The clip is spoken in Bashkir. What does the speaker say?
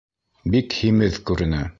Бик һимеҙ күренә.